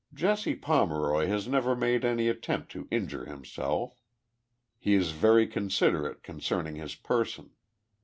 Jesse Pomeroy has never made any attempt to injure himself, lie is very considerate concerning his person.